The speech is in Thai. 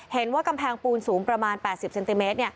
เห็นว่ากำแพงปูนสูงประมาณ๘๐เซนติเมตร